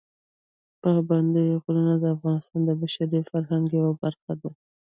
پابندي غرونه د افغانستان د بشري فرهنګ یوه برخه ده.